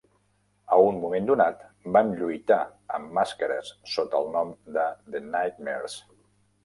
A un moment donat, van lluitar amb màscares sota el nom de The Nightmares.